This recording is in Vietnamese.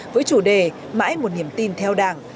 với chủ đề mãi một niềm tin theo đảng